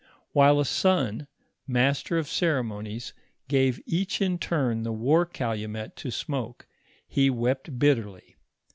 While a son, master of ceremonies, gave each in torn the war calumet to smoke, he wept bitterly.